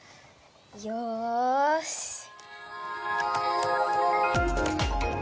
よし！